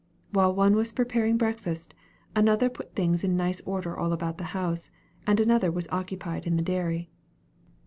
While one was preparing breakfast, another put things in nice order all about the house, and another was occupied in the dairy.